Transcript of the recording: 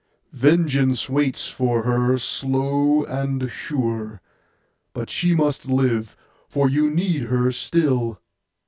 Vengeance waits for her, slow and sure; but she must live, for you need her still.